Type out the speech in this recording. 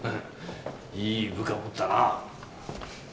いい部下を持ったな。